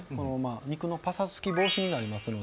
肉のパサつき防止になりますので。